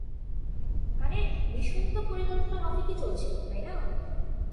মানে, মিশন তো পরিকল্পনামাফিকই চলছিল, তাই না?